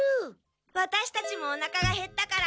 ワタシたちもおなかがへったから。